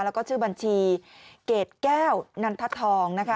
แล้วก็ชื่อบัญชีเกรดแก้วนันททองนะคะ